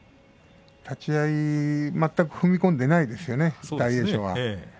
立ち合い全く踏み込んでいないですよね大栄翔は。